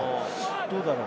どうだろう？